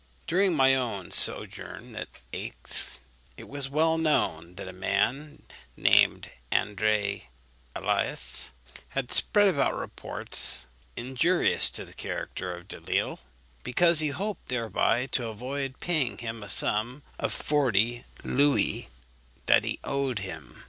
During my own sojourn at Aix, it was well known that a man, named André Aluys, had spread about reports injurious to the character of Delisle, because he hoped thereby to avoid paying him a sum of forty Louis that he owed him.